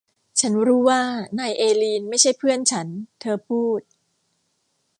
ฉันรู้ว่านายเอลีนไม่ใช่เพื่อนฉันเธอพูด